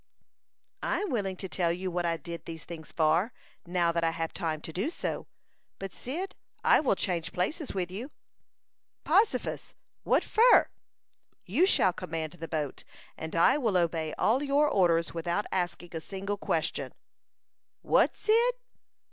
"I am willing to tell you what I did these things for, now that I have time to do so. But, Cyd, I will change places with you." "Possifus! What fur?" "You shall command the boat, and I will obey all your orders without asking a single question." "What, Cyd?"